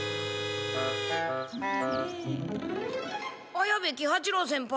綾部喜八郎先輩。